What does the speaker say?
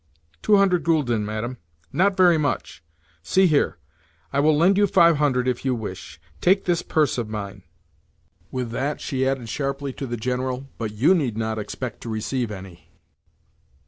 "Two hundred gülden, Madame." "Not very much. See here; I will lend you five hundred if you wish. Take this purse of mine." With that she added sharply to the General: "But you need not expect to receive any."